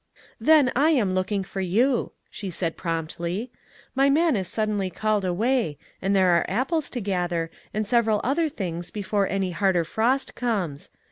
" Then I am looking for you," she said promptly, "my man is suddenly called away, and there are apples to gather, and sev eral other things before any harder frost comes.